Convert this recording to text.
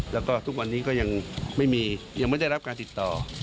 และก็ทุกวันนี้ก็ยังไม่รับการติดต่อ